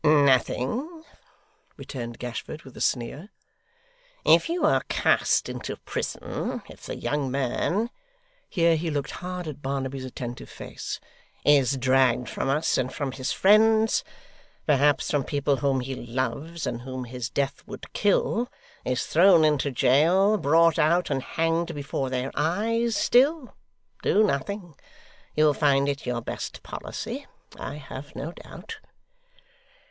'Nothing,' returned Gashford with a sneer. 'If you are cast into prison; if the young man ' here he looked hard at Barnaby's attentive face 'is dragged from us and from his friends; perhaps from people whom he loves, and whom his death would kill; is thrown into jail, brought out and hanged before their eyes; still, do nothing. You'll find it your best policy, I have no doubt.